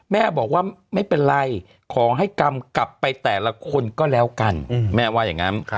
แม่บอกว่าไม่เป็นไรขอให้กรรมกลับไปแต่ละคนก็แล้วกันแม่ว่าอย่างนั้น